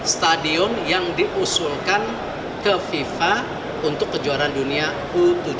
stadion yang diusulkan ke fifa untuk kejuaraan dunia u tujuh belas